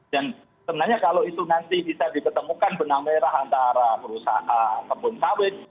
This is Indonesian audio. dan sebenarnya kalau itu nanti bisa diketemukan benang merah antara perusahaan sepun sawit